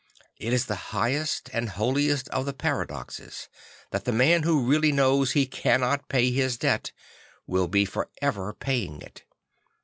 It is the highest and holiest of the paradoxes that the man who really knows he cannot pay his debt will be for ever paying it.